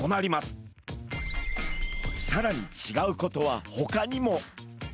さらにちがうことはほかにも！